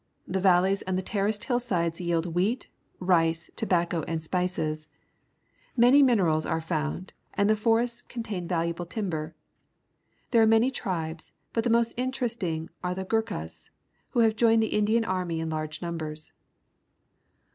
The valleys and the terraced hillsides yield wheat, r jcp, tohRiCco,— and spices . Many minerals a re found, and the forests contain valuable timbgr. There are many tribes, but the most interesting are the Goorklias, who have joined the Indian army in large numbers.